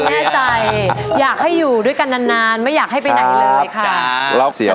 ถามผู้ความแน่ใจอยากให้อยู่ด้วยกันนานนานไม่อยากให้ไปไหนเลยค่ะ